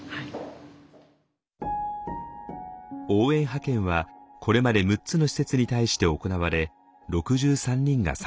応援派遣はこれまで６つの施設に対して行われ６３人が参加しました。